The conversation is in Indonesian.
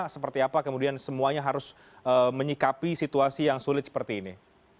seperti apa kemudian semuanya harus menyikapi situasi yang sulit seperti ini